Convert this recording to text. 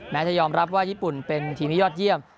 จะยอมรับว่าญี่ปุ่นเป็นทีมที่ยอดเยี่ยม